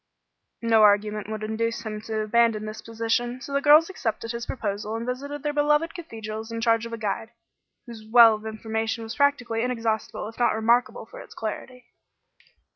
No argument would induce him to abandon this position; so the girls accepted his proposal and visited their beloved cathedrals in charge of a guide, whose well of information was practically inexhaustible if not remarkable for its clarity.